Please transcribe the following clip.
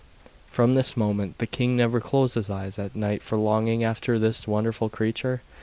From this moment the king never closed his eyes at night for longing after this wonderful creature.